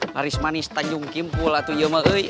haris manis tanjung kim pulat uya ma'uy